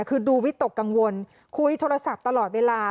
คือดูวิตกกังวลคุยโทรศัพท์ตลอดเวลา